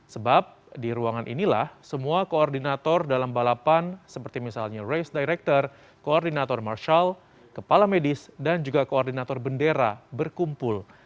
sebab di ruangan inilah semua koordinator dalam balapan seperti misalnya race director koordinator marshal kepala medis dan juga koordinator bendera berkumpul